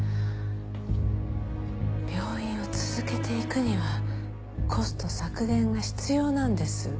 病院を続けていくにはコスト削減が必要なんです。